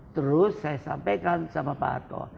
terus saya sampaikan sama pak ato